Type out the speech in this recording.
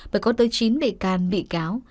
và có tới chín bị can bị cáo